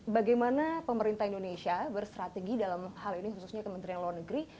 bagaimana pemerintah indonesia berstrategi dalam hal ini khususnya kementerian luar negeri